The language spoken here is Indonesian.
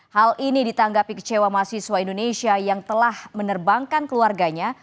hal ini ditanggapi kecewa mahasiswa indonesia yang telah menerbangkan keluarganya